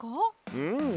うん。